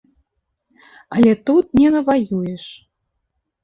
Але тут не наваюеш.